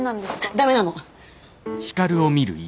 ダメなの！